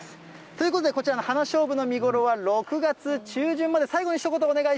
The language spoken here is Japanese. ということで、こちらの花しょうぶの見頃は６月中旬まで、最後にひと言、お願い